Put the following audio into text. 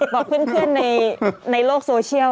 บอกเพื่อนในโลกโซเชียล